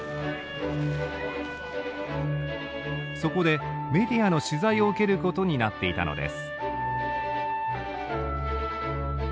そこでメディアの取材を受けることになっていたのです。